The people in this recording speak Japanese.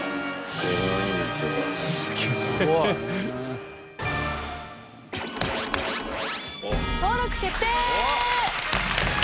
すごい！登録決定！